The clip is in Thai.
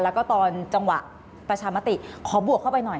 แล้วก็ตอนจังหวะประชามติขอบวกเข้าไปหน่อย